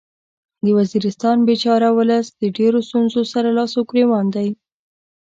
د وزیرستان بیچاره ولس د ډیرو ستونځو سره لاس او ګریوان دی